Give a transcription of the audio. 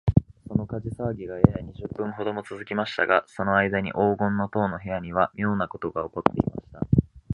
その火事さわぎが、やや二十分ほどもつづきましたが、そのあいだに黄金の塔の部屋には、みょうなことがおこっていました。